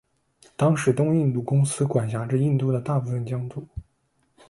当时的东印度公司管辖着印度的大部分疆土。